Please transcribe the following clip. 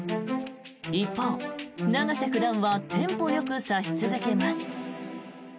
一方、永瀬九段はテンポよく指し続けます。